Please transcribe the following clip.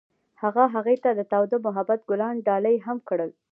هغه هغې ته د تاوده محبت ګلان ډالۍ هم کړل.